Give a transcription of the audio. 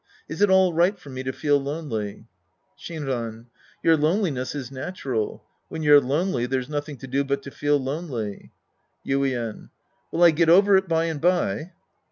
Is it all right for me to feel lonely ? Shinran. Your loneliness is natural. When you're lonely, there's nothing to do but to feel lonely. Yuien. Will I get over it by and by